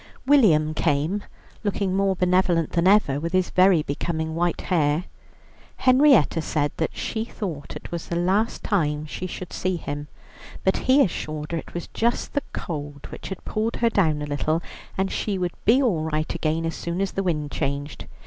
William came, looking more benevolent than ever with his very becoming white hair. Henrietta said that she thought it was the last time she should see him, but he assured her it was just the cold which had pulled her down a little, and she would be all right again as soon as the wind changed.